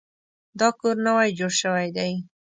دا کور نوی جوړ شوی دی